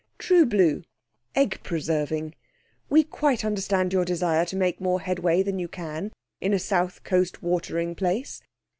'True Blue (Egg preserving). We quite understand your desire to make more headway than you can in a south coast watering place....'